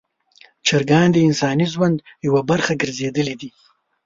چرګان د انساني ژوند یوه برخه ګرځېدلي دي.